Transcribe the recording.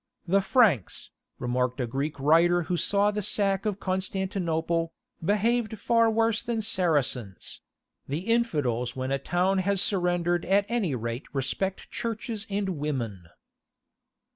"The Franks," remarked a Greek writer who saw the sack of Constantinople, "behaved far worse than Saracens; the infidels when a town has surrendered at any rate respect churches and women."